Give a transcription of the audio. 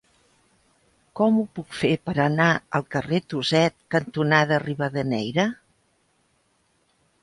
Com ho puc fer per anar al carrer Tuset cantonada Rivadeneyra?